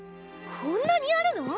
こんなにあるの⁉